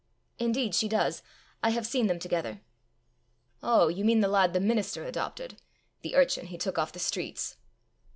"Indeed she does. I have seen them together." "Oh! you mean the lad the minister adopted! the urchin he took off the streets!